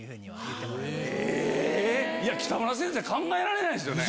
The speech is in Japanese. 北村先生考えられないですよね。